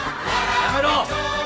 やめろ！